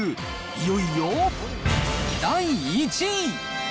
いよいよ第１位。